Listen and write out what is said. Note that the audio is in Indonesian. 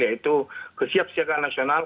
yaitu kesiap siagaan nasional